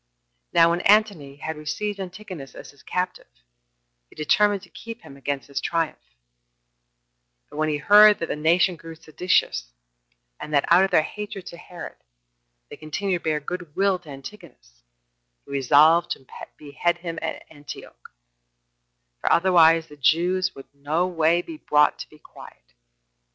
Now when Antony had received Antigonus as his captive, he determined to keep him against his triumph; but when he heard that the nation grew seditious, and that, out of their hatred to Herod, they continued to bear good will to Antigonus, he resolved to behead him at Antioch, for otherwise the Jews could no way be brought to be quiet.